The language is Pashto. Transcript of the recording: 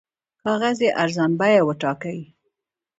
کاغذ یې ارزان بیه وټاکئ.